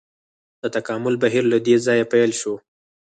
د تکامل بهیر له دې ځایه پیل شو.